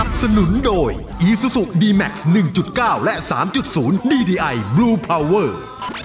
คือ๓เดือน